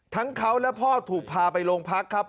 ทั้งเขาและพ่อถูกพาไปโรงพักครับ